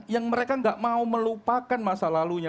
yang mereka tidak mau melupakan masa lalunya